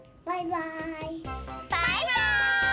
バイバイ！